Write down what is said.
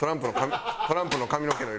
トランプの髪の毛の色。